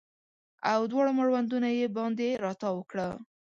او دواړه مړوندونه یې باندې راتاو کړه